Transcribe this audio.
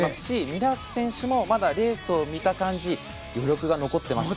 ミラーク選手もレースを見た感じ余力が残ってます。